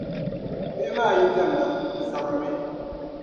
Bihi maa yi diɛmda, bɛ zabirimi.